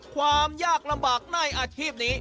ความยากลำบากในอาชีพนี้